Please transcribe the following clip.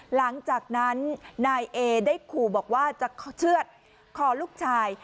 หลังจากนั้นนายเอได้ขู่บอกว่าจะเชื่อดคอลูกชาย